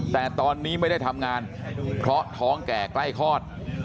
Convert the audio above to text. แต่ตอนนี้ไม่ได้ทำงานเพราะท้องแก่ใกล้คลอด